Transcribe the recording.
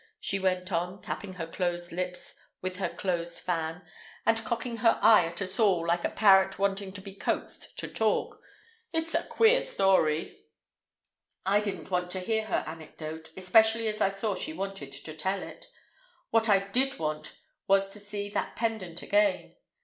she went on, tapping her closed lips with her closed fan, and cocking her eye at us all like a parrot wanting to be coaxed to talk. "It's a queer story." I didn't want to hear her anecdote, especially as I saw she wanted to tell it. What I did want was to see that pendant again.